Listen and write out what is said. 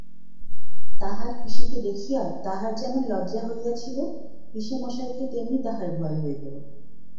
তাহার পিসিকে দেখিয়া তাহার যেমন লজ্জা হইয়াছিল, পিসেমশায়কে তেমনি তাহার ভয় হইল।